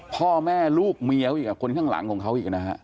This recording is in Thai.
พ่อแม่ลูกเมียเขาอีกคนข้างหลังของเขาอีกนะฮะ